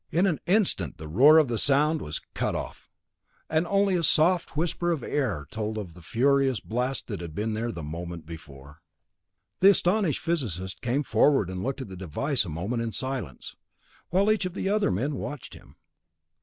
In an instant the roar of sound was cut off, and only a soft whisper of air told of the furious blast that had been there a moment before. The astonished physicist came forward and looked at the device a moment in silence, while each of the other men watched him.